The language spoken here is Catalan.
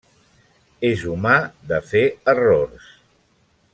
És humà de fer errors.